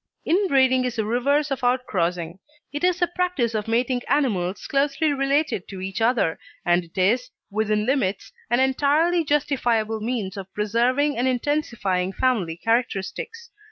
Inbreeding is the reverse of outcrossing. It is the practice of mating animals closely related to each other, and it is, within limits, an entirely justifiable means of preserving and intensifying family characteristics.